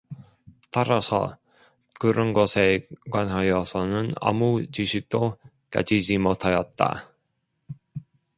따라서 그런 것에 관하여서는 아무 지식도 가지지 못하였다.